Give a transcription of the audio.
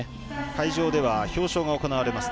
会場では表彰が行われます。